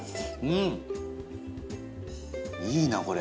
いいな、これ。